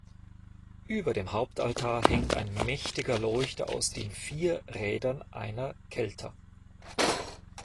Über dem Hauptaltar hängt ein mächtiger Leuchter aus den vier Rädern einer Kelter.